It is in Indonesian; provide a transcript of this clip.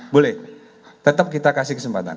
boleh tetap kita kasih kesempatan